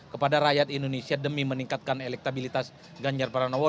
kepada rakyat indonesia demi meningkatkan elektabilitas ganjar pranowo